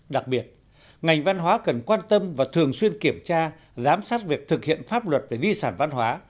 đặc biệt ngành văn hóa cần quan tâm và thường xuyên kiểm tra giám sát việc thực hiện pháp luật về di sản văn hóa